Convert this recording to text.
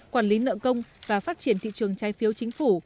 quản lý nợ công và phát triển thị trường trái phiếu chính phủ